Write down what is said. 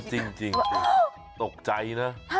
จริงตกใจนะ